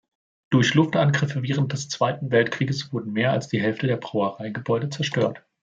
Durch Luftangriffe während des Zweiten Weltkriegs wurde mehr als die Hälfte der Brauereigebäude zerstört.